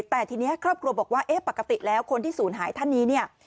แต่ทีนี้ครอบครัวบอกว่าเอ๊ะปกติแล้วคนที่ศูนย์หายท่านนี้เนี่ย